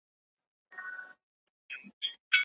پل به له نسیمه سره اخلو څوک مو څه ویني؟